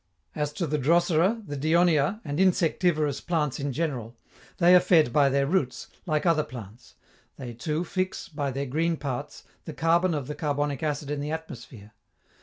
As to the Drosera, the Dionaea, and insectivorous plants in general, they are fed by their roots, like other plants; they too fix, by their green parts, the carbon of the carbonic acid in the atmosphere.